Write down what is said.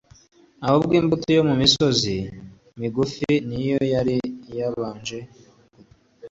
ahubwo imbuto yo mu misozi migufi niyo yari yabanje gutinda